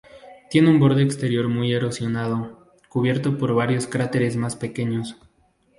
Tiene un borde exterior muy erosionado cubierto por varios cráteres más pequeños.